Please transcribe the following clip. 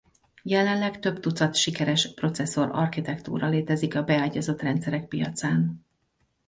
Jelenleg több tucat sikeres processzor-architektúra létezik a beágyazott rendszerek piacán.